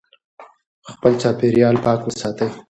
خپل چاپېریال پاک وساتئ.